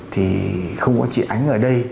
thì không có chị ánh ở đây